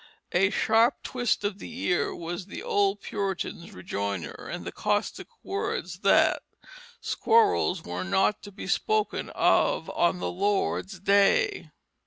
A sharp twist of the ear was the old Puritan's rejoinder, and the caustic words that "squirrels were not to be spoken of on the Lord's Day."